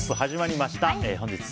始まりました。